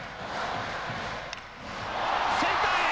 センターへ！